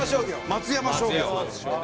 松山商業！